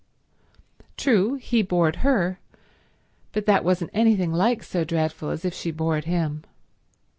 True he bored her, but that wasn't anything like so dreadful as if she bored him.